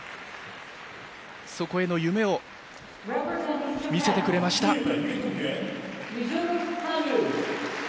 そこへの夢を見せてくれました。